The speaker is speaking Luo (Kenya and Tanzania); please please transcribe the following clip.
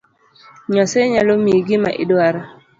Nyasaye nyalo miyi gima iduaro